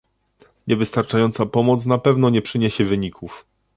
Niewystarczająca pomoc na pewno nie przyniesie wyników